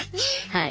はい。